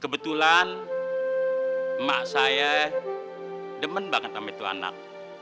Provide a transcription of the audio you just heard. kebetulan emak saya demen banget sama itu anak